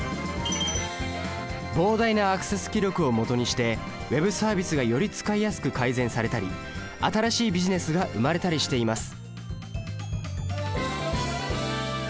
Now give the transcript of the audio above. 膨大なアクセス記録をもとにしてＷｅｂサービスがより使いやすく改善されたり新しいビジネスが生まれたりしています。